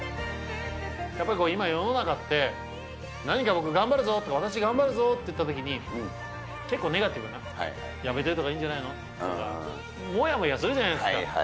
やっぱり今、世の中って、何か僕、頑張るぞって、私頑張るぞっていったときに、結構ネガティブな、やめといた方がいいんじゃないのとか、もやもやするじゃないですか。